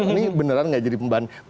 ini beneran tidak jadi pembahasan khusus